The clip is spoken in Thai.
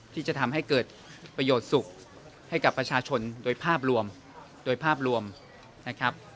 ที่จะทำให้เกิดประโยชน์สุขให้กับประชาชนโดยภาพรวมโดยภาพรวมนะครับ